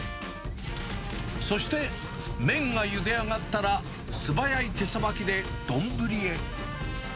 そして麺がゆで上がったら、素早い手さばきで丼へ。